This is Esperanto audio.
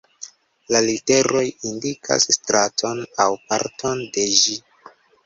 La literoj indikas straton aŭ parton de ĝi.